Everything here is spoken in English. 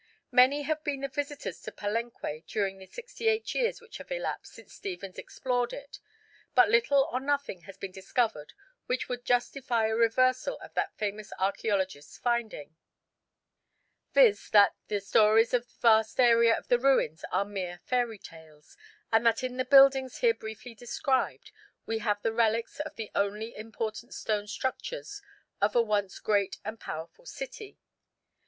Many have been the visitors to Palenque during the sixty eight years which have elapsed since Stephens explored it, but little or nothing has been discovered which would justify a reversal of that famous archæologist's finding, viz.: that the stories of the vast area of the ruins are mere fairy tales, and that in the buildings here briefly described we have the relics of the only important stone structures of a once great and powerful city.